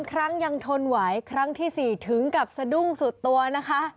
ครั้งยังทนไหวครั้งที่๔ถึงกับสะดุ้งสุดตัวนะคะ